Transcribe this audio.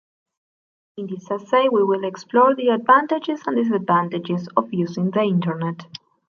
In this essay, we will explore the advantages and disadvantages of using the internet.